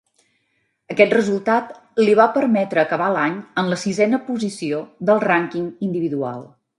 Aquest resultat li va permetre acabar l'any en la sisena posició del rànquing individual.